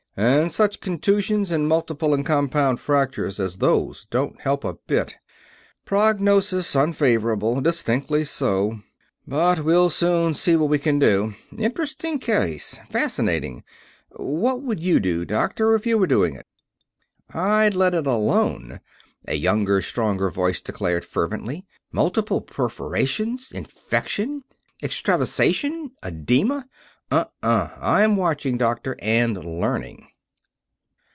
"And such contusions and multiple and compound fractures as those don't help a bit. Prognosis unfavorable distinctly so but we'll soon see what we can do. Interesting case ... fascinating. What would you do, Doctor, if you were doing it?" "I'd let it alone!" A younger, stronger voice declared, fervently. "Multiple perforations, infection, extravasation, oedema uh uh! I am watching, Doctor, and learning!"